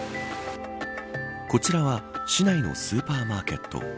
こちらは市内のスーパーマーケット。